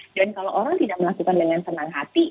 dan kalau orang tidak melakukan dengan senang hati